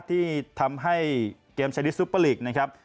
ที่ทำให้เกมชนิดซุปเปอร์ลีกนะครับ